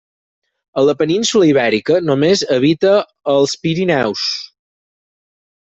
A la península Ibèrica només habita els Pirineus.